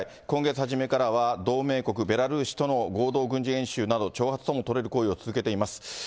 今月初めからは、同盟国、ベラルーシとの合同軍事演習など兆発とも取れる行為を続けています。